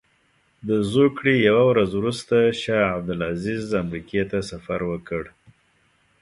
د زوکړې یوه ورځ وروسته شاه عبدالعزیز امریکې ته سفر وکړ.